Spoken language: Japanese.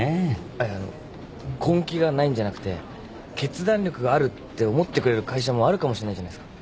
あっいやあの根気がないんじゃなくて決断力があるって思ってくれる会社もあるかもしれないじゃないすか。